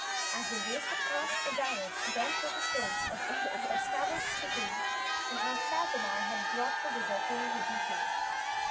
As they raced along Azarine again told the story of Bustabo's treachery and how Shagomar had brought the Wizard to her hidden cave.